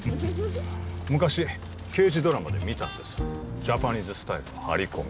昔刑事ドラマで見たんですジャパニーズスタイルの張り込み